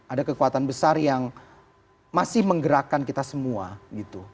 ada kekuatan besar yang masih menggerakkan kita semua gitu